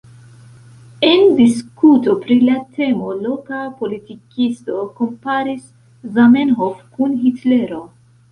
En diskuto pri la temo loka politikisto komparis Zamenhof kun Hitlero.